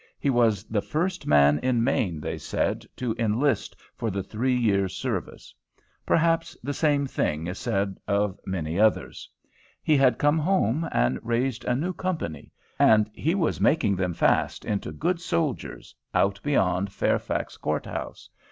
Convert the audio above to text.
He was the first man in Maine, they said, to enlist for the three years' service. Perhaps the same thing is said of many others. He had come home and raised a new company, and he was making them fast into good soldiers, out beyond Fairfax Court House.